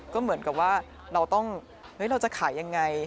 ก็เหมือนกับว่าเราต้องเราจะขายยังไง